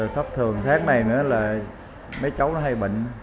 thất thường tháng này nữa là mấy cháu nó hay bệnh